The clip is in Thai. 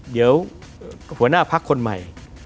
เดี๋ยวหัวหน้าพักคนใหม่